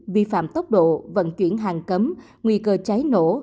vi phạm tốc độ vận chuyển hàng cấm nguy cơ cháy nổ